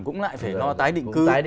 cũng lại phải lo tái định cư